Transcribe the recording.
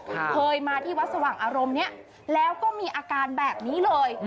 เคยมาที่วัดสว่างอารมณ์เนี้ยแล้วก็มีอาการแบบนี้เลย